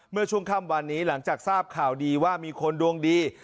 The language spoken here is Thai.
เมื่อช่วงค่ำวันนี้หลังจากทราบข่าวดีว่ามีคนดวงดี